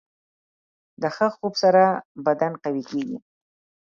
د ښه خوب سره بدن قوي کېږي.